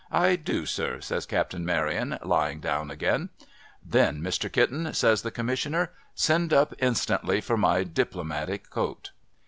' I do, sir,' says Captain Maryon, lying down again, ' Then, Mr. Kitten,' says the Commissioner, ' send up instantly for my Diplomatic coat.'